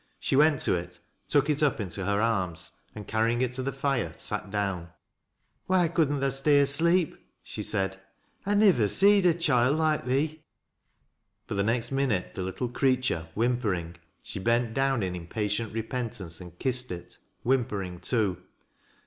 She went to it, took it up into her arras, and, carrying it to the fire, sat down. " Why couldn't tha stay asleep ?" she said. " 1 nivvo; seed a choild loike thee." But the next minute, the little creature whimperin g she bent down in impatient repentance and kissed it ffhimpering too.